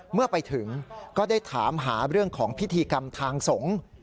เมื่อไปถึงก็ได้ถามหาเรื่องของพิธีกรรมทางสงฆ์